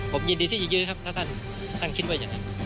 ผมยินดีที่จะยื้อครับถ้าท่านคิดว่าอย่างนั้น